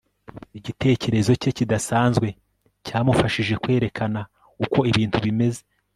igitekerezo cye kidasanzwe cyamufashije kwerekana uko ibintu bimeze